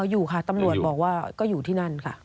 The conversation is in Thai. อยู่ค่ะตำรวจบอกว่าก็อยู่ที่นั่นค่ะ